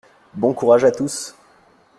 Bon courage à tous!